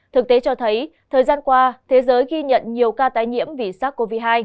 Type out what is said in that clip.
thực tế cho thấy thời gian qua thế giới ghi nhận nhiều ca tái nhiễm vì sars cov hai